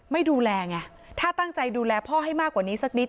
ไม่ดูแลไงถ้าตั้งใจดูแลพ่อให้มากกว่านี้สักนิด